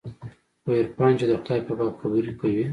خو عرفان چې د خداى په باب خبرې کوي.